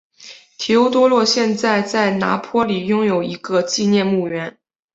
提欧多洛现在在拿坡里拥有一个纪念墓园。